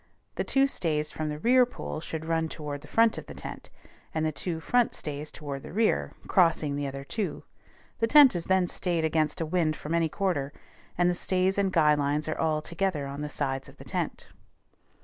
The two stays from the rear pole should run toward the front of the tent; and the two front stays toward the rear, crossing the other two. The tent is then stayed against a wind from any quarter, and the stays and guy lines are all together on the sides of the tent.